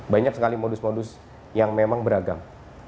banyak sekali modus modus yang memang beragam